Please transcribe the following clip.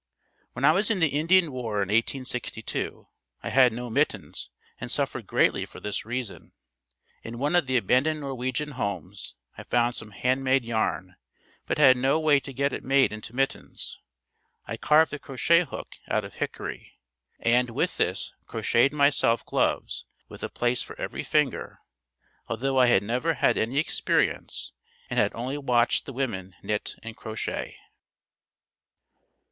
When I was in the Indian war in 1862 I had no mittens and suffered greatly for this reason. In one of the abandoned Norwegian homes, I found some hand made yarn, but had no way to get it made into mittens. I carved a crochet hook out of hickory and with this crocheted myself gloves with a place for every finger, although I had never had any experience and had only watched the women knit and crochet.